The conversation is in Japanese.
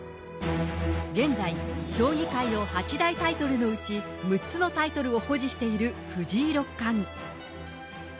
現在、将棋界の八大タイトルのうち６つのタイトルを保持している藤井六冠。